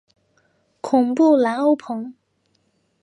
孔布兰欧蓬。